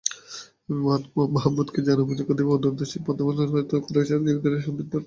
আমি মুহাম্মাদকে জানাব যে, কতিপয় অদূরদর্শীর পদস্খলন সত্ত্বেও কুরাইশরা হদায়বিয়া সন্ধির উপর অটল।